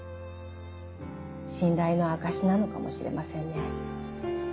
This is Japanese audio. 信頼の証しなのかもしれませんね。